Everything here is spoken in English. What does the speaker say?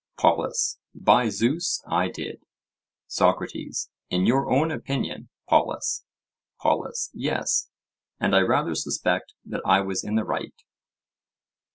POLUS: By Zeus, I did. SOCRATES: In your own opinion, Polus. POLUS: Yes, and I rather suspect that I was in the right.